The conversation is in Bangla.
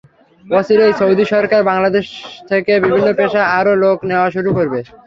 অচিরেই সৌদি সরকার বাংলাদেশ থেকে বিভিন্ন পেশার আরও লোক নেওয়া শুরু করবে।